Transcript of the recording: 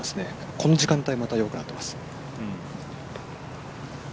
この時間帯また弱くなっています。